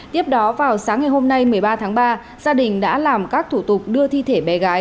tiếp đó vào sáng ngày hôm nay một mươi ba tháng ba gia đình đã làm các thủ tục đưa thi thể bé gái